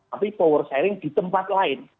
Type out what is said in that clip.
tapi power sharing di tempat lain